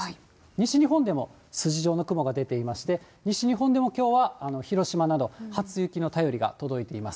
西日本でも筋状の雲が出ていまして、西日本でもきょうは広島など、初雪の便りが届いています。